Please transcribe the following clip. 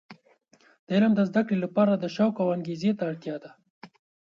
د علم د زده کړې لپاره د شوق او انګیزې ته اړتیا ده.